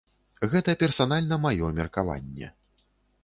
Гэта персанальна маё меркаванне.